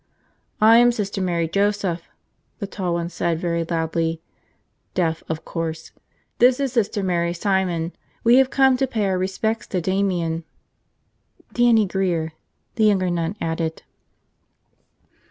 ... "I am Sister Mary Joseph," the tall one said very loudly. Deaf, of course. "This is Sister Mary Simon. We have come to pay our respects to Damian." "Dannie Grear," the younger nun added.